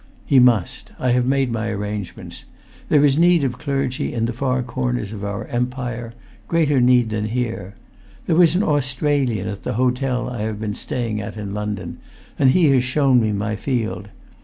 "He must. I have made my arrangements. There is need of clergy in the far corners of our empire, greater need than here. There was an Australian at the hotel I have been staying at in London, and he has shown me my field.